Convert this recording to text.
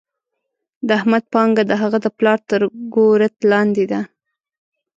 د احمد پانګه د هغه د پلار تر ګورت لاندې ده.